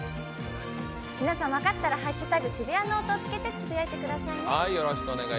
皆さん、分かったら「＃シブヤノオト」を付けてつぶやいてくださいね。